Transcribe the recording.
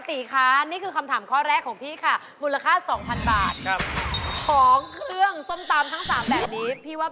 พี่มีค่ะยังไม่ได้มีกินเลยเหร่ะอะสามคนที่ตกตะลึงถึงตาเหร่ของพี่ตีมา